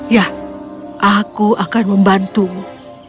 yah aku akan membantumu